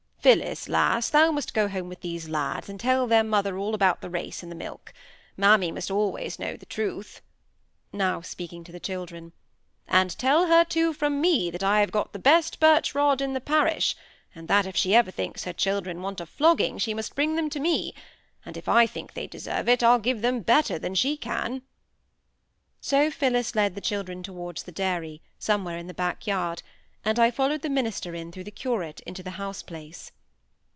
"Phillis, lass, thou must go home with these lads, and tell their mother all about the race and the milk. Mammy must always know the truth," now speaking to the children. "And tell her, too, from me that I have got the best birch rod in the parish; and that if she ever thinks her children want a flogging she must bring them to me, and, if I think they deserve it, I'll give it them better than she can." So Phillis led the children towards the dairy, somewhere in the back yard, and I followed the minister in through the "curate" into the house place.